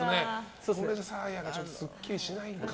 これじゃサーヤがすっきりしないんだ。